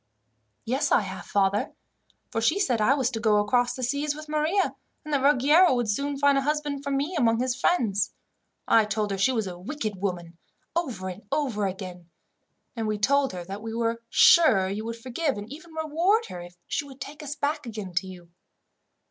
"Yes, I have, father; for she said I was to go across the seas with Maria, and that Ruggiero would soon find a husband for me among his friends. I told her she was a wicked woman, over and over again, and we told her that we were sure you would forgive, and even reward her, if she would take us back again to you.